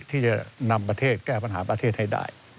ที่จะนำประเทศแก้ปัญหาประเทศให้ได้